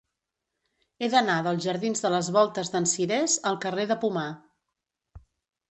He d'anar dels jardins de les Voltes d'en Cirés al carrer de Pomar.